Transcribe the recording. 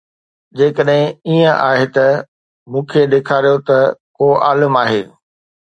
جيڪڏهن ائين آهي ته مون کي ڏيکاريو ته ڪو عالم آهي